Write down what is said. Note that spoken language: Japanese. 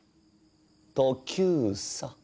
トキューサ。